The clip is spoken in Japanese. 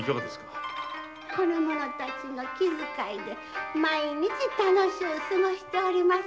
この者たちの気遣いで毎日楽しゅう過ごしております。